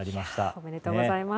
おめでとうございます。